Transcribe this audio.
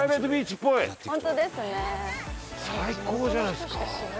最高じゃないっすか！